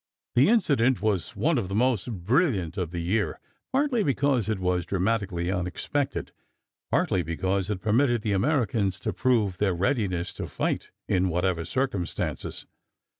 The incident was one of the most brilliant of the year, partly because it was dramatically unexpected, partly because it permitted the Americans to prove their readiness to fight, in whatever circumstances.